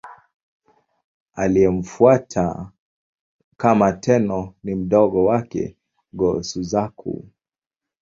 Aliyemfuata kama Tenno ni mdogo wake, Go-Suzaku.